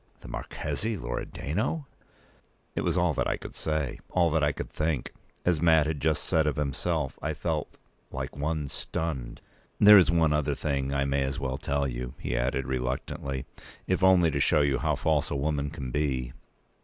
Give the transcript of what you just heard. "The Marchese Loredano!" It was all that I could say; all that I could think. As Mat had just said of himself, I felt "like one stunned." "There is one other thing I may as well tell you," he added, reluctantly, "if only to show you how false a woman can be.